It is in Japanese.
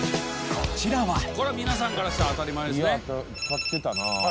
これは皆さんからしたら当たり前ですね。